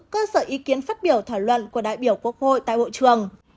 cơ sở ý kiến phát biểu thảo luận của đại biểu quốc hội tại hội trường